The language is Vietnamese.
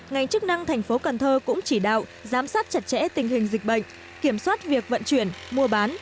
ngành chức năng thành phố cần thơ cũng chỉ đạo giám sát chặt chẽ tình hình dịch bệnh kiểm soát việc vận chuyển mua bán